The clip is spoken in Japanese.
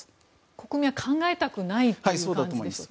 国民は考えたくないという感じですか？